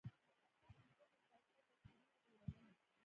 خوب د ذهن ښایسته تصویرونه جوړوي